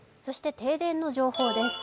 停電の情報です。